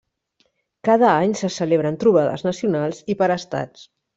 Cada any se celebren trobades nacionals i per estats.